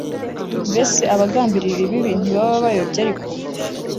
Mbese abagambirira ibibi ntibaba bayobye Ariko